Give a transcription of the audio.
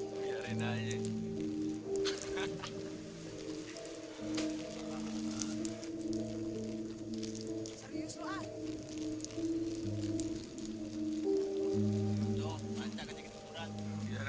gue juga mau gitu kan